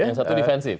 yang satu defensif